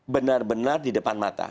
benar benar di depan mata